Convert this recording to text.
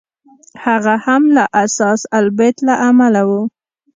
هغه هم له اثاث البیت له امله و.